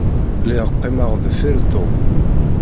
Lliɣ qqimeɣ deffir Tom.